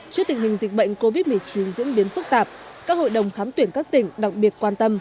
trước tình hình dịch bệnh covid một mươi chín diễn biến phức tạp các hội đồng khám tuyển các tỉnh đặc biệt quan tâm